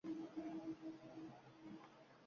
Qanoatli, andishali, hayoli